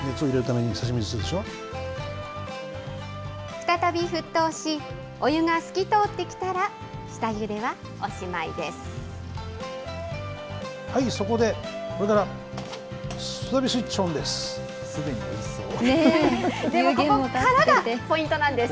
再び沸騰し、お湯が透きとおってきたら、下ゆではおしまいです。